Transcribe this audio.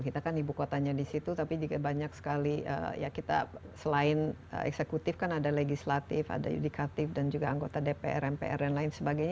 kita kan ibu kotanya di situ tapi juga banyak sekali ya kita selain eksekutif kan ada legislatif ada yudikatif dan juga anggota dpr mpr dan lain sebagainya